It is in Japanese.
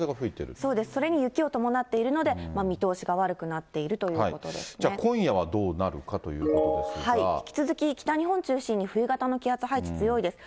そうです、それに雪を伴っているので、見通しが悪くなっていじゃあ、今夜はどうなるかと引き続き北日本を中心に冬型すごいですね、これ。